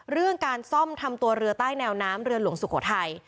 เรื่องการซ่อมทำตัวเรือใต้แนวน้ำเรือหลวงสุโขทัย